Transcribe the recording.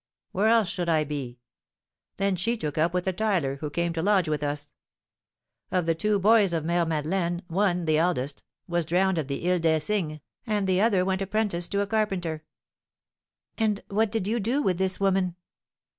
"Where else should I be? Then she took up with a tiler, who came to lodge with us. Of the two boys of Mère Madeleine, one, the eldest, was drowned at the Ile des Cygnes, and the other went apprentice to a carpenter." "And what did you do with this woman?"